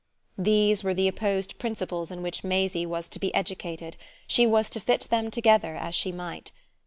These were the opposed principles in which Maisie was to be educated she was to fit them together as she might.